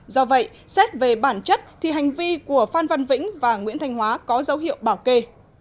do vậy xét về bản chất thì hành vi của phan văn vĩnh và nguyễn thanh hóa có dấu hiệu bảo kê